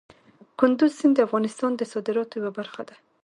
کندز سیند د افغانستان د صادراتو یوه برخه ده.